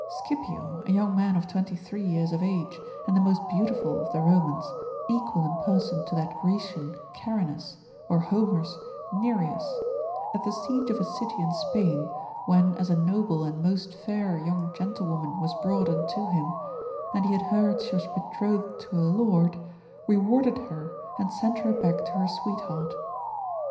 Scipio, a young man of twenty three years of age, and the most beautiful of the Romans, equal in person to that Grecian Charinus, or Homer's Nireus, at the siege of a city in Spain, when as a noble and most fair young gentlewoman was brought unto him, and he had heard she was betrothed to a lord, rewarded her, and sent her back to her sweetheart.